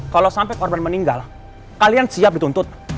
kalau sampai korban meninggal kalian siap dituntut